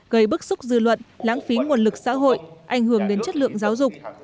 gây bức xúc dư luận lãng phí nguồn lực xã hội ảnh hưởng đến chất lượng giáo dục